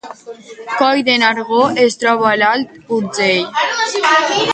Coll de Nargó es troba a l’Alt Urgell